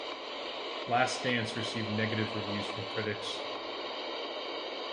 "Last Dance" received negative reviews from critics.